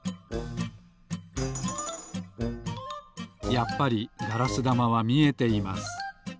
やっぱりガラスだまはみえています。